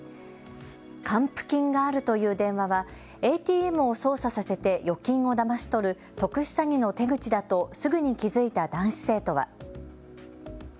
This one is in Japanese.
還付金があるという電話はＡＴＭを操作させて預金をだまし取る特殊詐欺の手口だとすぐに気付いた男子生徒は。